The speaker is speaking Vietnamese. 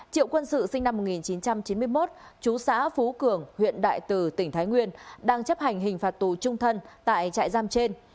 triệu quân sự sinh năm một nghìn chín trăm chín mươi một chú xã phú cường huyện đại từ tỉnh thái nguyên đang chấp hành hình phạt tù trung thân tại trại giam trên